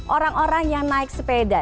orang orang yang naik sepeda